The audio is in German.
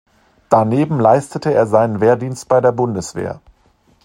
Daneben leistete er seinen Wehrdienst bei der Bundeswehr.